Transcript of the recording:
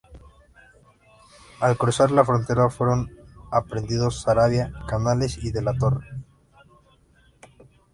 Al cruzar la frontera fueron aprehendidos Sarabia, Canales y de la Torre.